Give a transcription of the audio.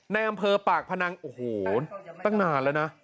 ในอำเภอปากพนังโอ้โหตั้งนานแล้วนะ